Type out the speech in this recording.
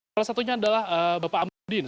salah satunya adalah bapak amudin